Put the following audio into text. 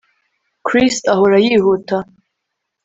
Chris ahora yihuta